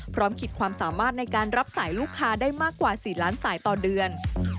ขีดความสามารถในการรับสายลูกค้าได้มากกว่า๔ล้านสายต่อเดือน